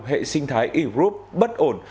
hệ sinh thái air group bất ổn